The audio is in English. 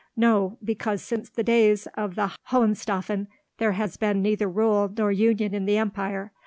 "No, because since the days of the Hohenstaufen there has been neither rule nor union in the empire.